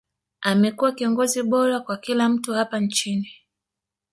amekuwa kiongozi bora kwa kila mtu hapa nchini